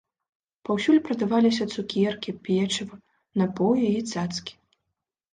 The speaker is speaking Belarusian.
Паўсюль прадаваліся цукеркі, печыва, напоі і цацкі.